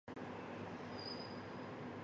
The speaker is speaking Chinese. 其多数曲目多由阿久悠携手共同打造。